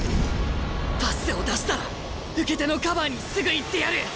パスを出したら受け手のカバーにすぐ行ってやる。